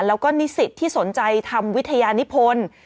แล้วก็นิสิตที่สนใจทำวิทยานิพล